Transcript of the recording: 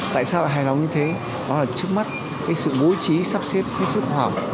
tại sao hài lòng như thế đó là trước mắt cái sự bối trí sắp xếp hết sức hoảng